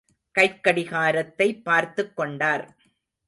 கைக்கடிகாரத்தை பார்த்துக் கொண்டார்.